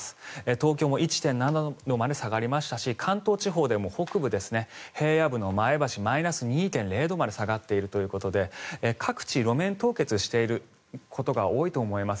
東京も１．７度まで下がりましたし関東地方でも北部平野部の前橋マイナス２．０度まで下がっているということで各地、路面凍結していることが多いと思います。